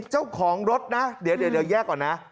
เจ้าของรถนะเดี๋ยวแยกก่อนนะ